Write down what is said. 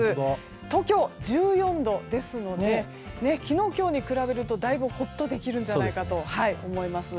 東京、１４度ですので昨日、今日に比べるとだいぶほっとできるんじゃないかと思います。